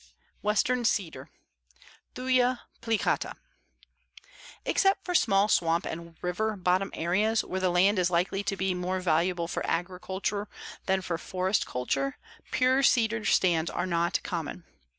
WESTERN CEDAR (Thuya plicata) Except for small swamp and river bottom areas, where the land is likely to be more valuable for agriculture than for forest culture, pure cedar stands are not common.